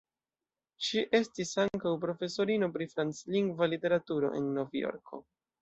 Ŝi estis ankaŭ profesorino pri franclingva literaturo en Novjorko.